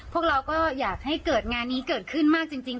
พวกเราก็อยากให้เกิดงานนี้เกิดขึ้นมากจริง